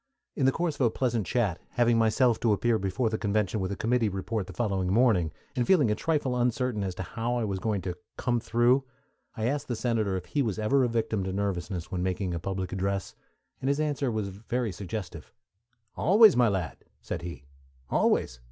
In the course of a pleasant chat, having myself to appear before the convention with a committee report the following morning, and feeling a trifle uncertain as to how I was going to "come through," I asked the senator if he was ever a victim to nervousness when making a public address, and his answer was very suggestive. "Always, my lad," said he, "always!